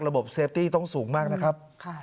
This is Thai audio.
เซฟตี้ต้องสูงมากนะครับ